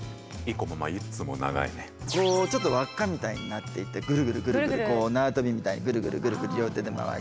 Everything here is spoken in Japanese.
こうちょっと輪っかみたいになっていてぐるぐるぐるぐるこう縄跳びみたいにぐるぐるぐるぐる両手で回して。